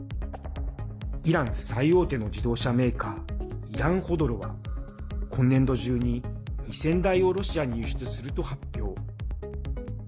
イラン最大手の自動車メーカーイランホドロは今年度中に、２０００台をロシアに輸出すると発表。